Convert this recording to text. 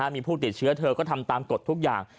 มีผู้ติดเชื้อเธอก็ทำตามกฎทุกอย่าง